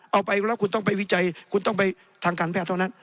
เอาไปแล้วคุณต้องไปวิจัยคุณต้องไปทางการแพทย์เท่านั้น